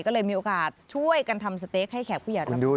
ก็เลยมีโอกาสช่วยกันทำสเต๊กให้แขกผู้ใหญ่รับรู้